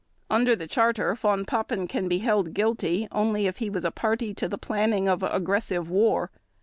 Under the Charter Von Papen can be held guilty only if he was a party to the planning of aggressive war.